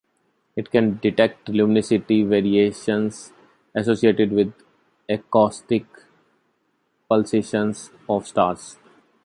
It can detect luminosity variations associated with acoustic pulsations of stars.